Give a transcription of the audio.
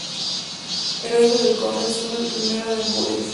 Era hijo del conde Suñer I de Ampurias.